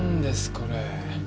これ。